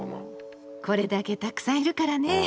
これだけたくさんいるからね。